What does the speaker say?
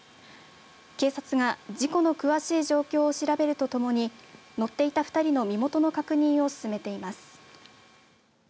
警察が事故の詳しい状況を調べるとともに乗っていた２人の身元の確認を進めています。